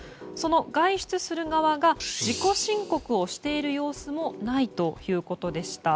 外出する側が自己申告をしている様子もないということでした。